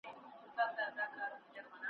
جهاني شپې مي کړې سپیني توري ورځي مي راوړي ,